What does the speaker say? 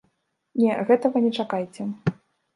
Не, гэтага не чакайце.